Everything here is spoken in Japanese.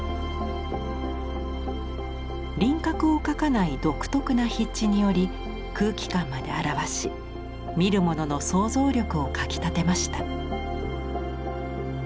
輪郭を描かない独特な筆致により空気感まで表し見る者の想像力をかきたてました。